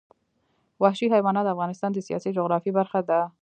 وحشي حیوانات د افغانستان د سیاسي جغرافیه برخه ده.